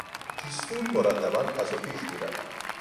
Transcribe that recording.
پیستون مرتبا پس و پیش میرود.